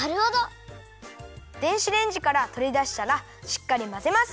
電子レンジからとりだしたらしっかりまぜます。